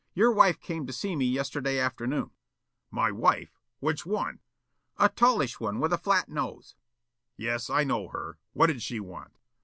Your wife came to see me yesterday afternoon." "My wife? Which one?" "A tallish one with a flat nose." "Yes, I know her. What'd she want?"